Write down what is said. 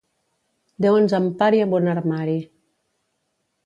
Déu ens empari amb un armari.